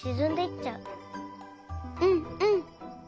うんうん。